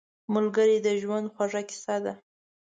ملګری د ژوند خوږه کیسه ده